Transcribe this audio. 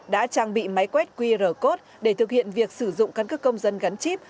đã trang bị máy quét qr code để thực hiện việc sử dụng căn cứ công dân gắn chip